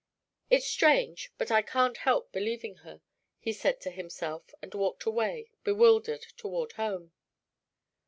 "It's strange, but I can't help believing her," he said to himself, and walked away, bewildered, toward home.